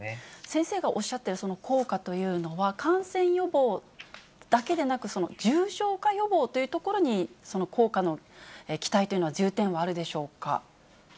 先生がおっしゃっている効果というのは、感染予防だけでなく、重症化予防というところに、効果の期待というのは重点はあるでしょうか。